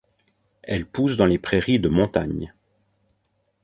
Elle pousse dans les prairies de montagne.